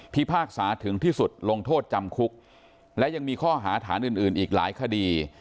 พากษาถึงที่สุดลงโทษจำคุกและยังมีข้อหาฐานอื่นอื่นอีกหลายคดี